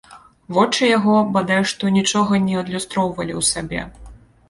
Вочы яго бадай што нічога не адлюстроўвалі ў сабе.